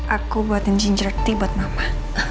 aku buatin ginger tea buat mama